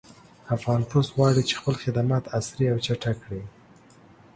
افغان پُست غواړي چې خپل خدمات عصري او چټک کړي